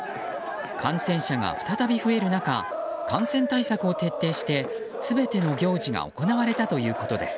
感染者が再び増える中感染対策を徹底して全ての行事が行われたということです。